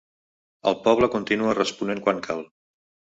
El poble continua responent quan cal.